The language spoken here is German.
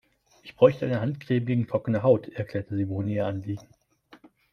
"Ich bräuchte eine Handcreme gegen trockene Haut", erklärte Simone ihr Anliegen.